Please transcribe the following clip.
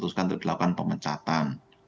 kami putuskan untuk dilakukan pemecatan